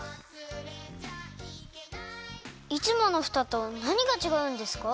いつものふたとなにがちがうんですか？